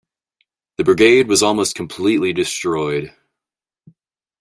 The brigade was almost completely destroyed.